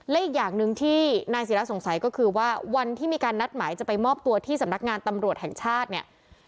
และอีกอย่างหนึ่งที่นายศิราสงสัยก็คือว่าวันที่มีการนัดหมายจะไปมอบตัวที่สำนักงานตำรวจแห่งชาติเนี่ย